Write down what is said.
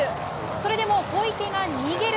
それでも小池が逃げる。